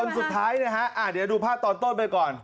สุดท้ายนะฮะเดี๋ยวดูภาพตอนต้นไปก่อน